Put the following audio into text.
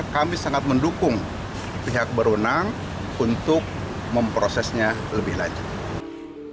kami sangat mendukung pihak berwenang untuk memprosesnya lebih lanjut